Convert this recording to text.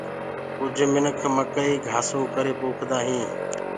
ڪُج مآڻو مڪآئي گآه ڪي ڪري پوکدآ هينٚ۔